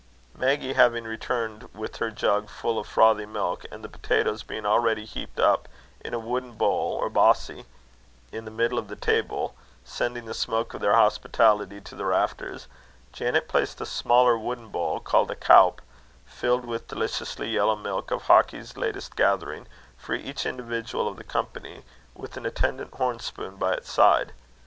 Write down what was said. Maggie having returned with her jug full of frothy milk, and the potatoes being already heaped up in a wooden bowl or bossie in the middle of the table, sending the smoke of their hospitality to the rafters, Janet placed a smaller wooden bowl, called a caup, filled with deliciously yellow milk of Hawkie's latest gathering, for each individual of the company, with an attendant horn spoon by its side.